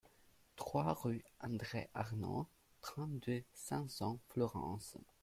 trois rue André Arnau, trente-deux, cinq cents, Fleurance